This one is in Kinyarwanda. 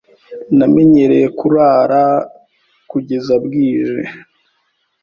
Namenyereye kurara kugeza bwije.